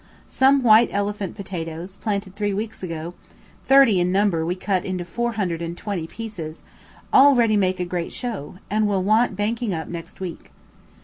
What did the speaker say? Some "white elephants" potatoes, planted three weeks ago (thirty in number we cut into 420 pieces) already make a great show, and will want banking up next week.